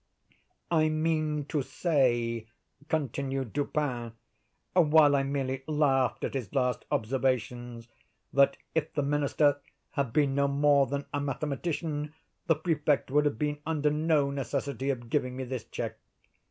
"I mean to say," continued Dupin, while I merely laughed at his last observations, "that if the Minister had been no more than a mathematician, the Prefect would have been under no necessity of giving me this check.